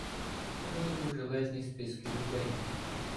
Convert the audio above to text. Це були довжезні списки людей.